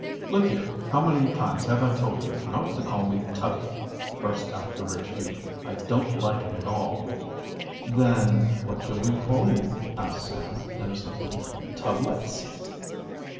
"Look here, how many times have I told you not to call me Tubby!" burst out the rich youth. "I don't like it at all." "Then what shall we call you?" asked Sam innocently. "Tubblets?"